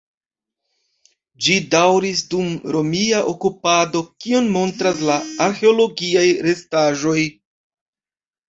Ĝi daŭris dum romia okupado, kion montras la arĥeologiaj restaĵoj.